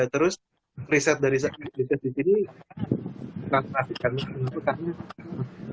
terus riset dari saya riset di sini saya mengasihkan ke pengetahuan teknologi itu dengan netgom